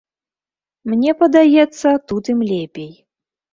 Мне падаецца, тут ім лепей.